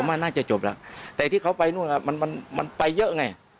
มันน่าจะจบแล้วแต่ที่เขาไปนู่นมันมันไปเยอะไง